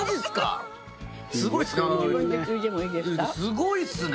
すごいっすね！